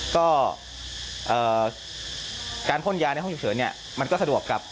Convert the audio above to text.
ก็เอ่อการพ่นยาในผมจะเฉินเนี่ยมันก็สะดวกกับ